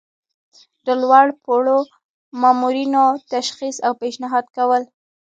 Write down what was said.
د لوړ پوړو مامورینو تشخیص او پیشنهاد کول.